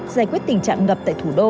giải quyết tình trạng ngập tại thủ đô